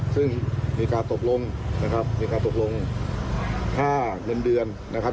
ซึ่งมีการตกลงนะครับมีการตกลงค่าเงินเดือนนะครับ